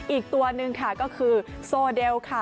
อีกตัวหนึ่งค่ะก็คือโซเดลค่ะ